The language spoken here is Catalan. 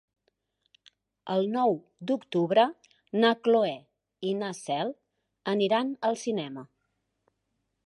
El nou d'octubre na Cloè i na Cel aniran al cinema.